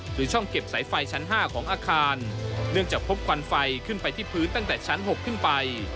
หรือช่องเก็บสายไฟชั้น๕ของอาคารเนื่องจากพบควันไฟขึ้นไปที่พื้นตั้งแต่ชั้น๖ขึ้นไป